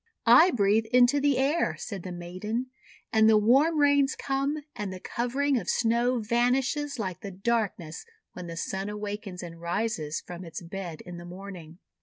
"I breathe into the air," said the maiden, "and the warm rains come, and the covering of Snow vanishes like the darkness when the Sun awakens and rises from its bed in the morning."